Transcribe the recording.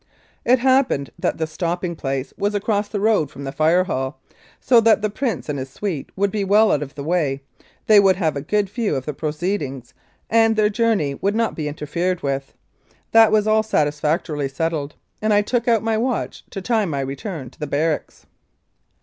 It happened that the stopping place was across the road from the Fire Hall, so that the Prince and his suite would be well out of the way, they would have a good view of the proceedings, and their journey would not be interfered with. That was all satisfactorily settled, and I took out my watch to time my return to the barracks.